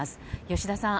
吉田さん